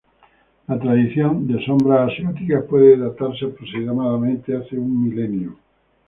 La tradición de sombras asiáticas puede datarse aproximadamente hace un milenio.